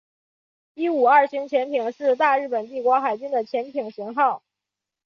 伊五二型潜艇是大日本帝国海军的潜舰型号。